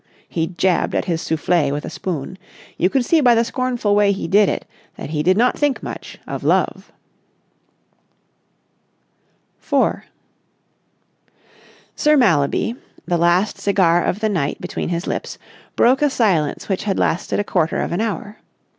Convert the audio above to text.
He jabbed at his soufflé with a spoon. You could see by the scornful way he did it that he did not think much of love. § 4 Sir Mallaby, the last cigar of the night between his lips, broke a silence which had lasted a quarter of an hour.